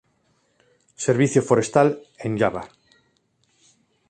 Servicio Forestal", en Java.